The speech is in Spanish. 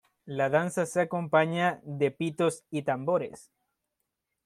La danza se acompaña de pitos y tambores.